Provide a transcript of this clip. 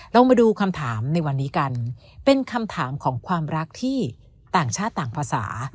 เรามาดูคำถามในวันนี้กันเป็นคำถามของความรักที่ต่างชาติต่างภาษา